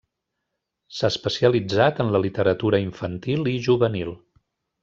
S'ha especialitzat en la literatura infantil i juvenil.